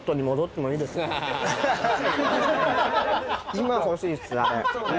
今欲しいっすあれ。